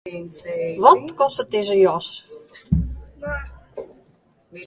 Wat kostet dizze jas?